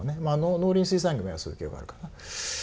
農林水産業もそういう傾向があるかな。